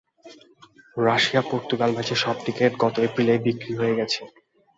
Russia Portugal ম্যাচের সব ticket গত এপ্রিলেই বিক্রি হয়ে গেছে।